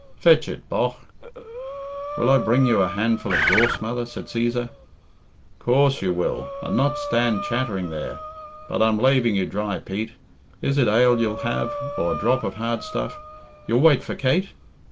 Fetch it, bogh." "Will I bring you a handful of gorse, mother?" said Cæsar. "Coorse you will, and not stand chattering there. But I'm laving you dry, Pete. Is it ale you'll have, or a drop of hard stuff? You'll wait for Kate?